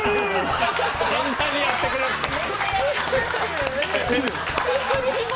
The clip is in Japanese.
そんなにやってくれるんですか！？